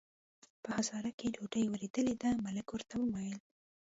په حصارک کې ډوډۍ ورېدلې ده، ملک ورته وویل.